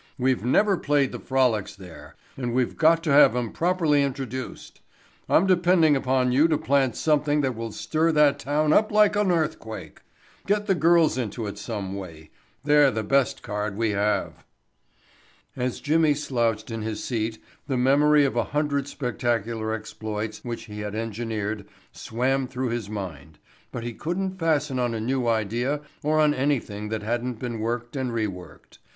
We've never played the 'Frolics' there and we've got to have 'em properly introduced. I'm depending upon you to plant something that will stir that town up like an earthquake. Get the girls into it some way. They're the best card we have." As Jimmy slouched in his seat the memory of a hundred spectacular exploits which he had engineered swam through his mind, but he couldn't fasten on a new idea or on anything that hadn't been worked and re worked.